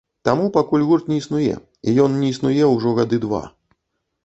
Таму пакуль гурт не існуе, і ён не існуе ўжо гады два.